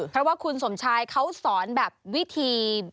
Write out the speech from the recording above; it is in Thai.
เพราะว่าคุณสมชายเขาสอนแบบวิธี